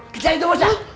kejar itu bos ya